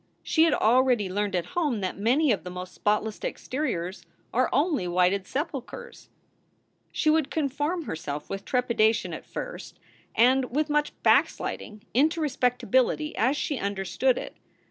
She had already learned at home that many of the most spotless exteriors are only whited sepulchers. She would conform herself with trepidation at first and SOULS FOR SALE 169 with much backsliding into respectability as she understood it.